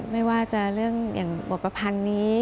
ไม่ว่าจะเรื่องอย่างบทประพันธ์นี้